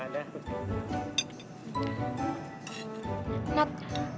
oh yaudah gak apa apa bang